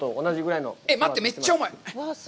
待って、めっちゃ重い。